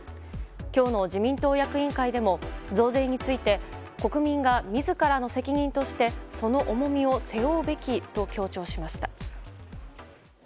今日の自民党役員会でも増税について国民が自らの責任としてその重みを背負うべきと強調しました。